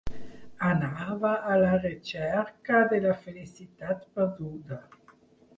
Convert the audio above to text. Anava a la recerca de la felicitat perduda.